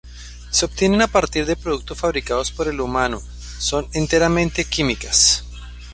Se obtienen a partir de productos fabricados por el humano, son enteramente químicas.